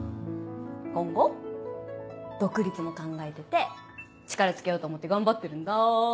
今後独立も考えてて力つけようと思って頑張ってるんだ。